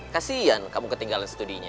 kasian kamu ketinggalan studinya